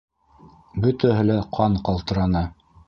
Бөтәһе лә ҡан ҡалтыраны.